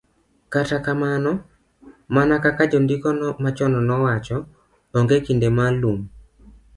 Kata kamano, mana kaka jondiko machon nowacho, onge kinde ma lum